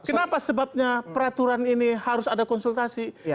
kenapa sebabnya peraturan ini harus ada konsultasi